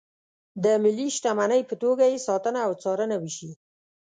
د ملي شتمنۍ په توګه یې ساتنه او څارنه وشي.